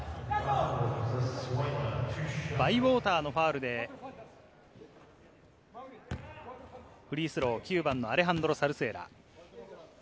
バイウォーターのファウルでフリースロー、９番のアレハンドロ・サルスエラ。